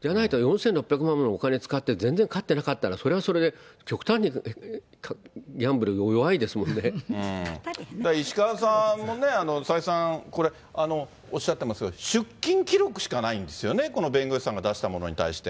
じゃないと、４６００万円ものお金使って、全然勝ってなかったらそれはそれで極端にギャンブルが石川さんも再三、おっしゃってますが、出金記録しかないんですよね、この弁護士さんが出したものに対して。